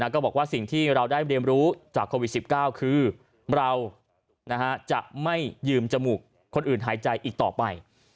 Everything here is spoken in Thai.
ก็บอกว่าสิ่งที่เราได้เรียนรู้จากโควิด๑๙คือเราจะไม่ยืมจมูกคนอื่นหายใจอีกต่อไป